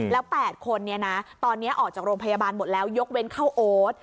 แล้ว๘คนตอนนี้ออกจากโรงพยาบาลหมดแล้วยกเว้นเข้าโอ๊ต